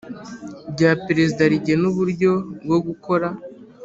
Rya perezida rigena uburyo bwo gukora